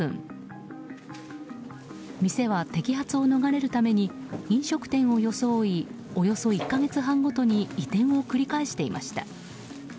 店は摘発を逃れるために飲食店を装いおよそ１か月半ごとに移転を繰り返していました。